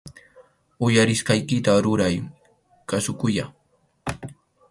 Uyarisqaykita ruray, kasukuyyá